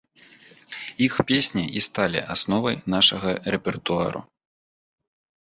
Іх песні і сталі асновай нашага рэпертуару.